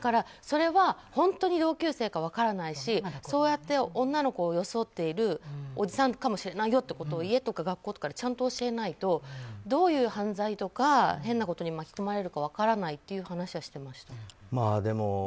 それは本当に同級生か分からないしそうやって女の子を装ってるおじさんかもしれないよっていうことを家とか学校とかがちゃんと教えないとどういう犯罪とか変なことに巻き込まれるか分からないっていう話をしていました。